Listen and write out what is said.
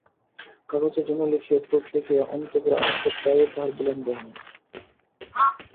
কাগজের জন্য লিখিয়া প্রুফ দেখিয়া অন্তঃপুরে আসিতে প্রায়ই তাহার বিলম্ব হয়।